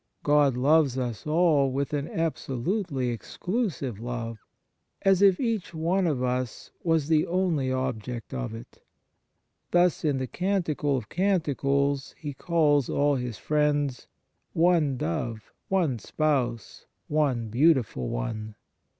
God loves us all with an absolutely exclusive love, as if each one of us was the only object of it. Thus, in the Canticle of Canticles He calls all His friends: "one dove, one spouse, one beautiful one."